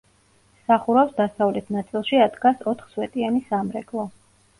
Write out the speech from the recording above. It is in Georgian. სახურავს დასავლეთ ნაწილში ადგას ოთხსვეტიანი სამრეკლო.